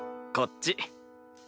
こっち。